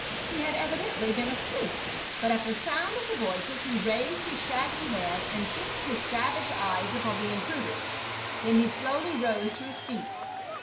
He had evidently been asleep, but at the sound of the voices he raised his shaggy head and fixed his savage' eyes upon the intruders ; then he slowly rose to his feet.